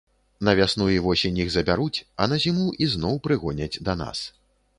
На вясну і восень іх забяруць, а на зіму ізноў прыгоняць да нас.